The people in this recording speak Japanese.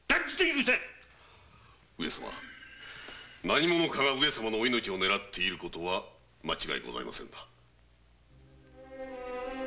何者かが上様のお命をねらっていることは間違いございませんな。